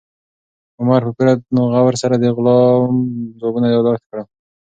عمر په پوره غور سره د غلام ځوابونه یاداښت کړل.